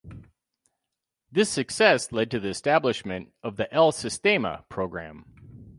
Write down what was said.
This success led to the establishment of the El Sistema programme.